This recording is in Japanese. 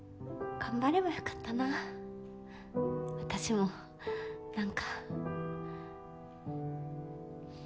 頑張れば良かったな私も何か。